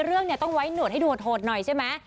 เรื่องเนี่ยต้องไว้หนวดให้ดูดโหดหน่อยใช่ไหม